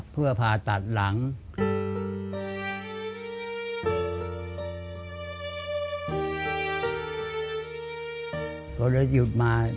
เมื่อขายทุ่มตำก็มีรายได้อยู่ประมาณวันละ๕๐๐บาท